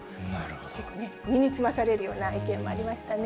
結構ね、身につまされるような意見もありましたね。